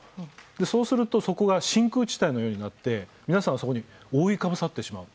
そうするとそこが真空地帯のようになって皆さんそこに覆いかぶさってしまう。